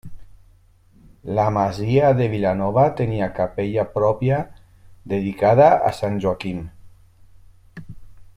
La Masia de Vilanova tenia capella pròpia, dedicada a Sant Joaquim.